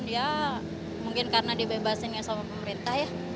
dia mungkin karena dibebasinnya sama pemerintah ya